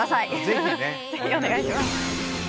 ぜひお願いします。